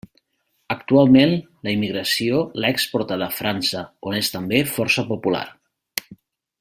Actualment la immigració l'ha exportada a França, on és també força popular.